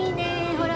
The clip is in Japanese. ほら。